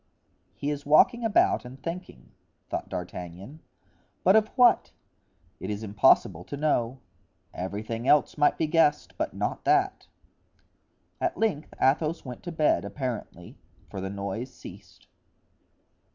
"He is walking about and thinking," thought D'Artagnan; "but of what? It is impossible to know; everything else might be guessed, but not that." At length Athos went to bed, apparently, for the noise ceased.